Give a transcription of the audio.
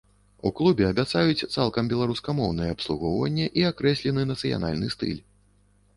У клубе абяцаюць цалкам беларускамоўнае абслугоўванне і акрэслены нацыянальны стыль.